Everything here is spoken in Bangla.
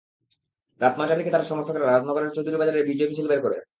রাত নয়টার দিকে তাঁর সমর্থকেরা রাজনগরের চৌধুরীবাজারে বিজয় মিছিল বের করেন।